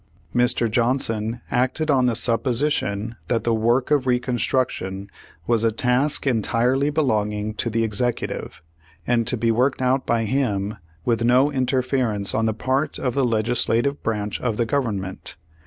Mr. Johnson acted on the supposition that the work of Reconstruction was a task entirely be longing to the Executive, and to be worked out by him v/ith no interference on the part of the legis lative branch of the Government.